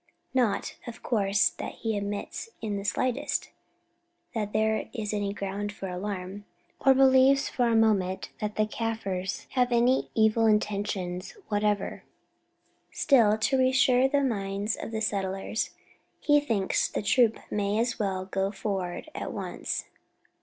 Not, of course, that he admits in the slightest that there is any ground for alarm, or believes for a moment that the Kaffirs have any evil intentions whatever; still, to reassure the minds of the settlers, he thinks the troops may as well go forward at once."